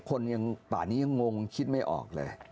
คนยังป่านี้ยังงงคิดไม่ออกเลย